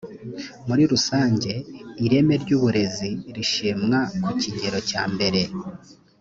muri rusange ireme ry uburezi rishimwa ku kigero cya mbere